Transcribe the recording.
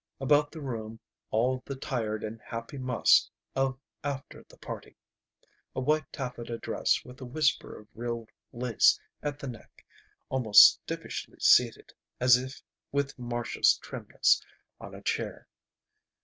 About the room all the tired and happy muss of after the party. A white taffeta dress with a whisper of real lace at the neck, almost stiffishly seated, as if with Marcia's trimness, on a chair.